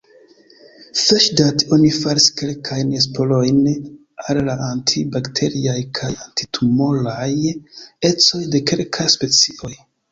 Freŝdate oni faris kelkajn esplorojn al la anti-bakteriaj kaj anti-tumoraj ecoj de kelkaj specioj.